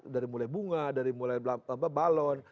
dari mulai bunga dari mulai balon